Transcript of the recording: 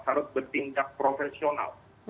harus bertingkat profesional